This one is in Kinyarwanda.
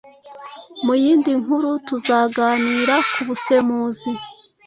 Mu yindi nkuru tuzaganira ku Busemuzi